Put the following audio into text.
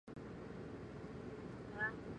但是还是有光害